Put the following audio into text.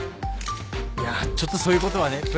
いやちょっとそういうことはね